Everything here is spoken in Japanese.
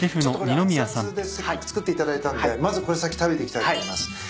これ熱々でせっかく作っていただいたんでまずこれ先食べていきたいと思います。